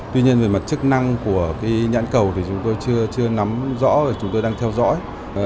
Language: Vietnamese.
tuy nhiên về mặt chức năng của cái nhãn cầu thì chúng tôi chưa nắm rõ và chúng tôi đang theo dõi